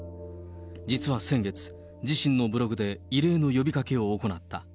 実は先月、自身のブログで異例の呼びかけを行った。